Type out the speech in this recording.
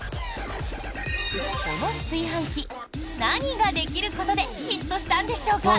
この炊飯器、何ができることでヒットしたんでしょうか？